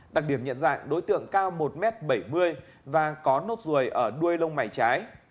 đặc điểm nhận dạng đối tượng cao một m bảy mươi và có nốt ruồi ở đuôi lông mày trái